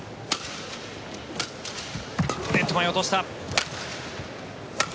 ネット前に落とした。